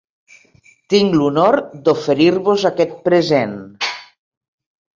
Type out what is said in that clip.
Tinc l'honor d'oferir-vos aquest present.